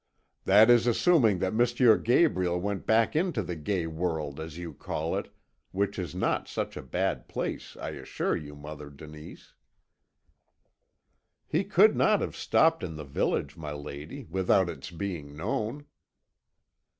"That is assuming that M. Gabriel went back into the gay world, as you call it, which is not such a bad place, I assure you, Mother Denise." "He could not have stopped in the village, my lady, without its being known."